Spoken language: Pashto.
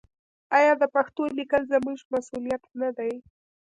آیا د پښتو لیکل زموږ مسوولیت نه دی؟